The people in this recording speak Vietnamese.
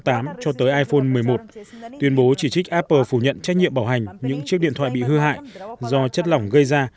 cơ quan quản lý cạnh tranh italia cho tới iphone một mươi một tuyên bố chỉ trích apple phủ nhận trách nhiệm bảo hành những chiếc điện thoại bị hư hại do chất lỏng gây ra